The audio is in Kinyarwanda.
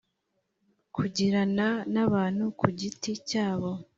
kugirana n abantu ku giti cyabo